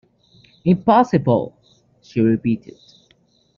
"Impossible," she repeated.